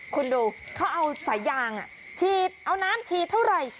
คุณดูเขาเอาสายยางฉีดเอาน้ำฉีดเท่าไหร่